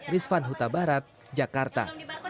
rizvan huta barat jakarta